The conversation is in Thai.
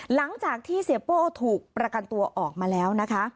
หลังจากที่เสียโป้ถูกประกันตัวออกมาแล้วนะคะ